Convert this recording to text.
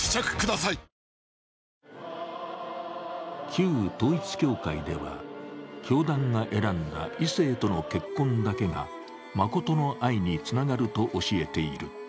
旧統一教会では、教団が選んだ異性との結婚だけが真の愛につながると教えている。